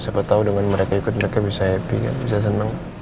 siapa tau dengan mereka ikut mereka bisa happy kan bisa seneng